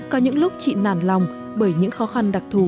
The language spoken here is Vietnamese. có những lúc chị nản lòng bởi những khó khăn đặc thù